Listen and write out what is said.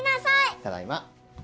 ただいま。